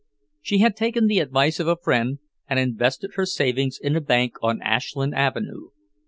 She had taken the advice of a friend and invested her savings in a bank on Ashland Avenue.